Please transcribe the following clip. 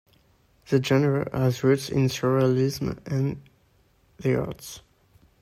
The genre has roots in Surrealism in the arts.